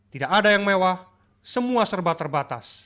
tidak ada yang mewah semua serba terbatas